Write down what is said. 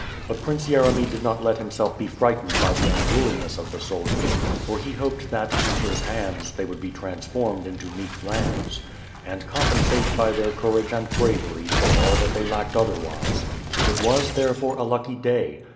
But Prince Yeremy did not let himself be frightened by the unruliness of the soldiers, for he hoped that, in his hands, they would be transformed into meek lambs; and compensate, by their courage and bravery , for all that they lacked otherwise. It was, therefore, a lucky day.